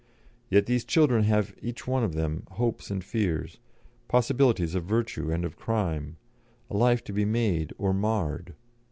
Yet these children have each one of them hopes and fears, possibilities of virtue and of crime, a life to be made or marred.